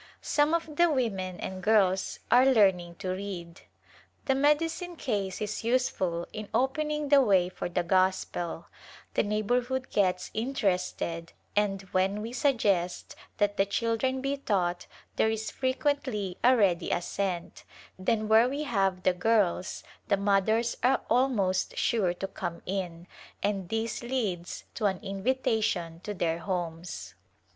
Some of the women and girls are learning to read. The medicine case is useful in opening the way for the Gospel; the neighborhood gets interested and when we suggest [•05] A Glimpse of India that the children be taught there is frequently a ready assent, then where we have the girls the mothers are almost sure to come in, and this leads to an invitation to their homes.